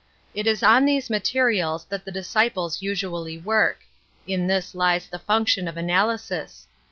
It is on these materials that the disciples usually work; in this lies the function of analy sis.